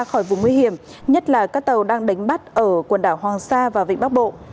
khỏi vùng nguy hiểm nhất là các tàu đang đánh bắt ở quần đảo hoàng sa và vịnh bắc bộ